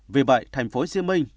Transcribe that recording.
vì vậy tp hcm